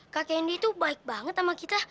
kak kendi itu baik banget sama kita